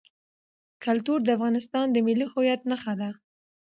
کلتور د افغانستان د ملي هویت نښه ده.